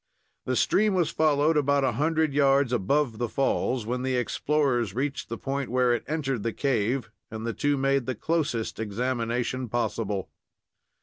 The stream was followed about a hundred yards above the falls, when the explorers reached the point where it entered the cave, and the two made the closest examination possible.